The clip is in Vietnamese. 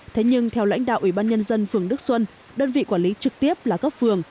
thế nhưng theo lãnh đạo ủy ban nhân dân phường đức xuân đơn vị quản lý trực tiếp là cấp phường